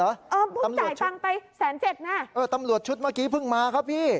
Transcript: เออผมจ่ายตังค์ไปแสนเจ็ดน่ะเออตำรวจชุดเมื่อกี้เพิ่งมาครับพี่